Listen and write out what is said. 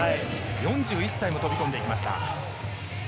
４１歳も飛び込んでいきました。